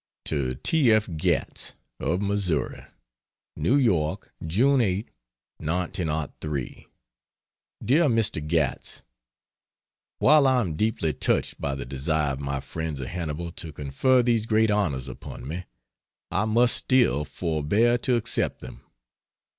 To T. F. Gatts, of Missouri: NEW YORK, June 8, 1903. DEAR MR. GATTS, While I am deeply touched by the desire of my friends of Hannibal to confer these great honors upon me, I must still forbear to accept them.